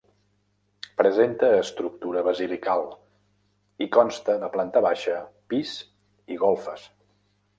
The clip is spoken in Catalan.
Presenta estructura basilical, i consta de planta baixa, pis i golfes.